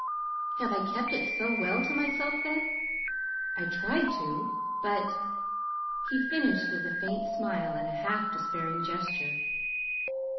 "Have I kept it so well to myself, then? I tried to, but " He finished with a faint smile and a half despairing gesture.